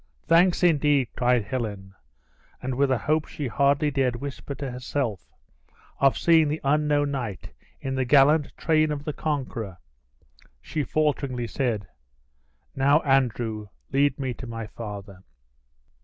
"Thanks, indeed," cried Helen; and with a hope she dared hardly whisper to herself, of seeing the unknown knight in the gallant train of the conqueror, she falteringly said, "Now, Andrew, lead me to my father."